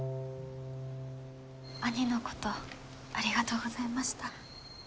兄のことありがとうございました。